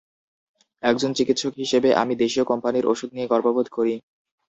একজন চিকিৎসক হিসেবে আমি দেশীয় কোম্পানির ওষুধ নিয়ে গর্ববোধ করি।